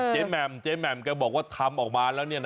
แหม่มเจ๊แหม่มแกบอกว่าทำออกมาแล้ว